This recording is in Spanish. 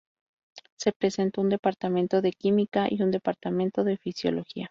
Se presentó un departamento de química y un departamento de fisiología.